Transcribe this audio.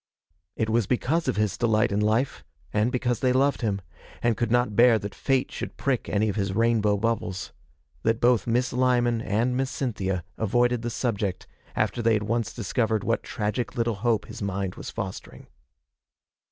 It was because of his delight in life, and because they loved him, and could not bear that Fate should prick any of his rainbow bubbles, that both Miss Lyman and Miss Cynthia avoided the subject after they had once discovered what tragic little hope his mind was fostering.